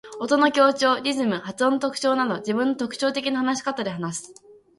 音の強調、リズム、発音の特徴など自分の特徴的な話し方で話す。